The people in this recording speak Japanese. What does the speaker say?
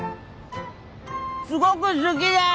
すごく好きです！